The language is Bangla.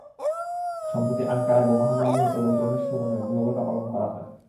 সম্প্রতি আঙ্কারায় বোমা হামলায় নিহত লোকজনের স্মরণেও নীরবতা পালন করা হয়।